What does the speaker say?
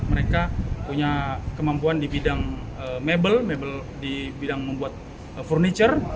mereka punya kemampuan di bidang mebel mebel di bidang membuat furniture